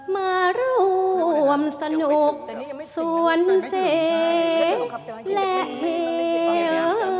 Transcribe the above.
มาร่วมสนุกสวนเสียงและเหว